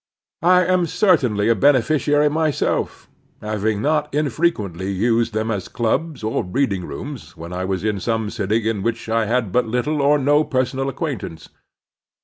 I am cer tainly a beneficiary myself, having not infre quently used them as clubs or reading rooms when I was in some city in which I had but little or no personal acquaintance.